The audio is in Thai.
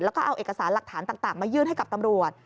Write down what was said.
แล้วก็เอาเอกสารหลักฐานต่างมายื่นให้กับตำรวจ